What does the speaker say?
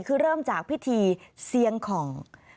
คือเริ่มจากพิธีเซียงของ